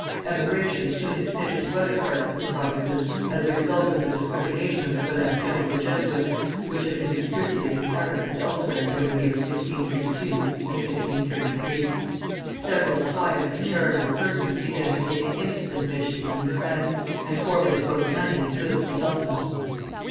Emigration soon extended to other parts of the provinces, as the result of the discrimination of the Relations of the Jesuits, which had been distributed in Paris and elsewhere during the years 1632 and 1633. Several pious and charitable persons began to take an interest in the missions of New France, and forwarded both money and goods to help them.